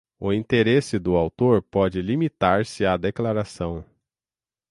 O interesse do autor pode limitar-se à declaração: